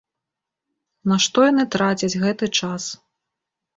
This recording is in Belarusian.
На што яны трацяць гэты час?